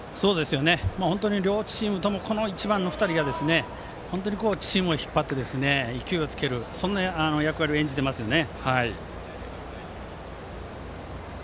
本当に両チームとも１番の２人が本当にチームを引っ張って勢いをつけるそんな役割を演じてますよね。